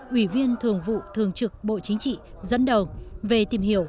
ủy viên thường vụ thường trực bộ chính trị dẫn đầu về tìm hiểu